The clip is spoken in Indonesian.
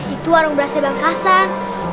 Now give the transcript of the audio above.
itu warung berasnya bang kasar